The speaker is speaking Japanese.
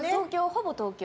ほぼ東京。